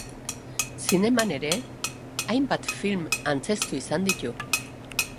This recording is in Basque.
Zineman ere hainbat film antzeztu izan ditu.